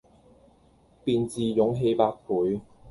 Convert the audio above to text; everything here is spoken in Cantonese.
便自勇氣百倍，